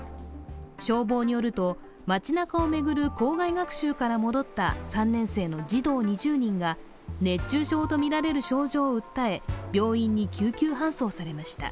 消防によると、街なかを巡る校外学習から戻った３年生の児童２０人が熱中症とみられる症状を訴え病院に救急搬送されました。